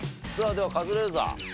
ではカズレーザー。